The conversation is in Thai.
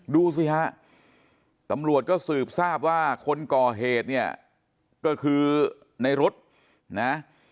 ดูสิฮะตำรวจก็สืบทราบว่าคนก่อเหตุเนี่ยก็คือในรถนะ